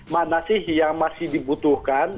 mana sih yang masih dibutuhkan